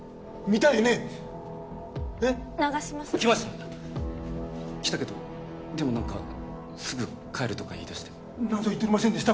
長嶋さん来ました来たけどでも何かすぐ帰るとか言いだして何ぞ言っとりませんでした？